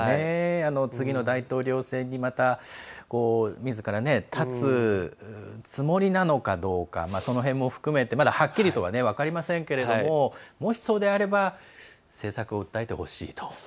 次の大統領選にみずから立つつもりなのかどうかその辺も含めて、まだはっきりとは分かりませんけどもし、そうであれば政策を訴えてほしいと。